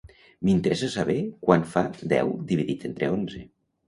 M'interessa saber quant fa deu dividit entre onze.